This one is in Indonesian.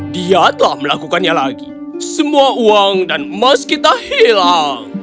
dia telah melakukannya lagi semua uang dan emas kita hilang